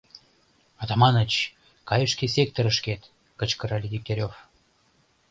— Атаманыч, кай шке секторышкет! — кычкырале Дегтярев.